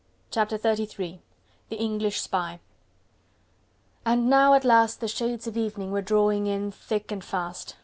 Chapter XXXIII: The English Spy And now at last the shades of evening were drawing in thick and fast.